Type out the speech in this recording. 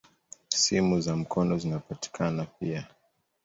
Simu za mkono zinapatikana pia.